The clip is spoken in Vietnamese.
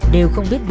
đều không biết